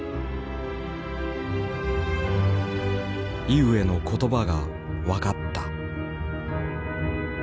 井植の言葉が分かった。